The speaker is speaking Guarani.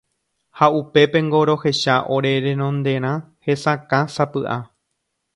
Ha upépengo rohecha ore rendonderã hesakãsapy'a.